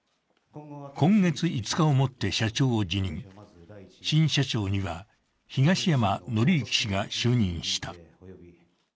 今月５日をもって社長を辞任、新社長には東山紀之氏が就任した。